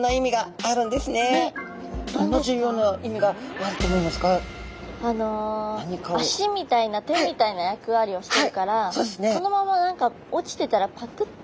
あの足みたいな手みたいな役割をしているからそのまま何か落ちてたらパクッて。